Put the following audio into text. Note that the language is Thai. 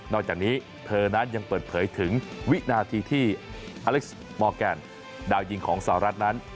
จากนี้เธอนั้นยังเปิดเผยถึงวินาทีที่อเล็กซ์มอร์แกนดาวยิงของสหรัฐนั้น